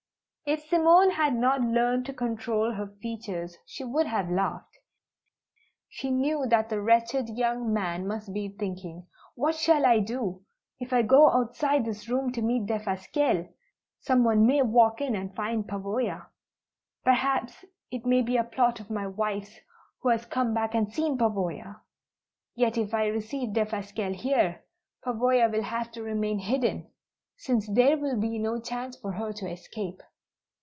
If Simone had not learned to control her features she would have laughed. She knew that the wretched young man must be thinking, "What shall I do? If I go outside this room to meet Defasquelle, someone may walk in and find Pavoya. Perhaps it may be a plot of my wife's, who has come back and seen Pavoya! Yet if I receive Defasquelle here, Pavoya will have to remain hidden, since there will be no chance for her to escape."